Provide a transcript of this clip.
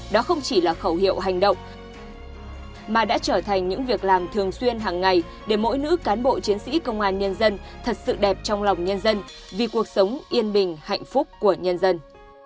đó không chỉ là khẩu hiệu hành động mà đã trở thành những việc làm thường xuyên hàng ngày để mỗi nữ cán bộ chiến sĩ công an nhân dân thật sự đẹp trong lòng nhân dân vì cuộc sống yên bình hạnh phúc của nhân dân